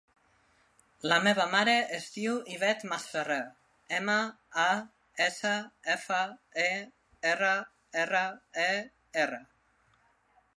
La meva mare es diu Ivette Masferrer: ema, a, essa, efa, e, erra, erra, e, erra.